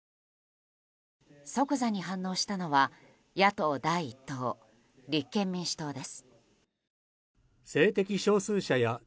即座に反応したのは野党第１党、立憲民主党です。